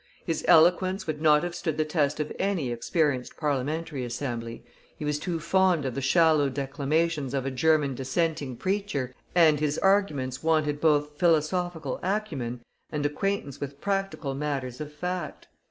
His eloquence would not have stood the test of any experienced Parliamentary Assembly; he was too fond of the shallow declamations of a German dissenting preacher, and his arguments wanted both philosophical acumen and acquaintance with practical matters of fact.